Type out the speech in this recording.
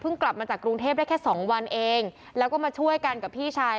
กลับมาจากกรุงเทพได้แค่สองวันเองแล้วก็มาช่วยกันกับพี่ชาย